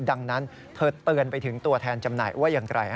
ดังนั้นเธอเตือนไปถึงตัวแทนจำหน่ายว่าอย่างไร